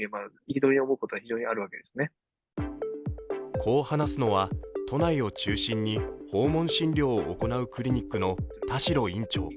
こう話すのは都内を中心に訪問診療を行うクリニックの田代院長。